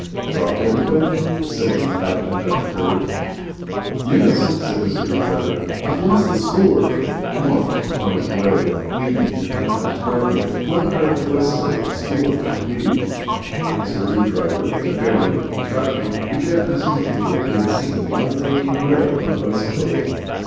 "Dropped anything?" said an inhabitant at the kerb. "Yes," said Mr. Hoopdriver, "I've lost the spoor," and walked upon his way, leaving the inhabitant marvelling what part of a bicycle a spoor might be. Mr. Hoopdriver, abandoning tracking, began asking people if they had seen a Young Lady in Grey on a bicycle.